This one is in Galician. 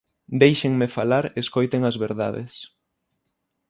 Déixenme falar e escoiten as verdades.